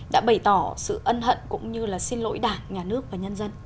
đã bày tỏ sự ân hận cũng như là xin lỗi đảng nhà nước và nhân dân